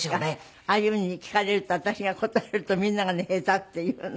ああいうふうに聞かれると私が答えるとみんながね下手って言うの。